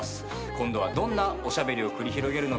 今度はどんなおしゃべりを繰り広げるのか？